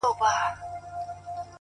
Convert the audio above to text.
خدايه نری باران پرې وكړې”